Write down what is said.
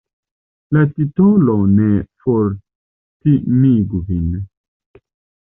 La titolo ne fortimigu vin.